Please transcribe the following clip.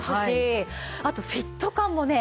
あとフィット感もね